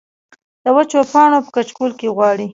د وچو پاڼو پۀ کچکول کې غواړي